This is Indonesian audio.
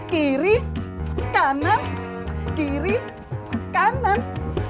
kiri kanan kiri kanan